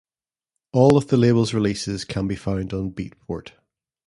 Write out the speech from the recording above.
All of the label's releases can be found on Beatport.